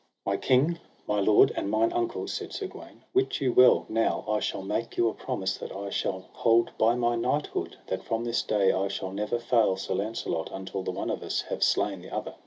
My king, my lord, and mine uncle, said Sir Gawaine, wit you well now I shall make you a promise that I shall hold by my knighthood, that from this day I shall never fail Sir Launcelot until the one of us have slain the other.